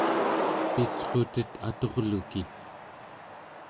pisqutet aturki!